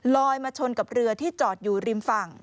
ลอยมาชนกับเรือที่จอดอยู่ริมฝั่ง